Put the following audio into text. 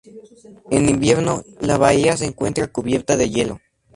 En invierno, la bahía se encuentra cubierta de hielo.